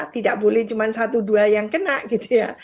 tidak boleh cuma satu dua yang kena gitu ya